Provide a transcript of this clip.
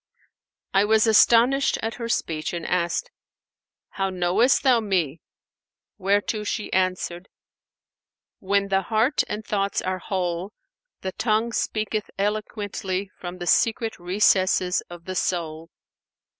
I was astonished at her speech and asked, 'How knowest thou me?'; whereto she answered, 'When the heart and thoughts are whole, the tongue speaketh eloquently from the secret recesses of the soul.